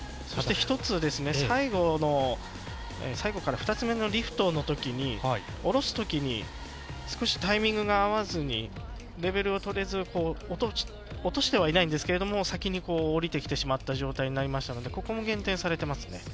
そして、１つ最後から２つ目のリフトの時に降ろす時に少しタイミングが合わずにレベルを取れず落としてはいないんですが先に降りてきてしまった状態になりましたのでここも減点されていますね。